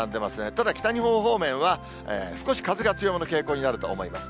ただ北日本方面は、少し風が強まる傾向になると思います。